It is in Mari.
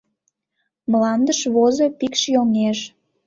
Мландыш возо пикш йоҥеж;